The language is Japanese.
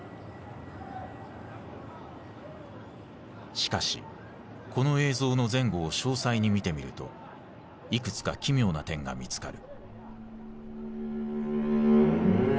しかしこの映像の前後を詳細に見てみるといくつか奇妙な点が見つかる。